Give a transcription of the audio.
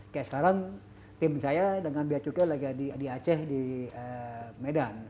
kayak sekarang tim saya dengan bia cukai lagi di aceh di medan